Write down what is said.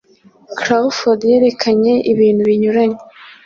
Crawford yerekanye ibintu binyuranye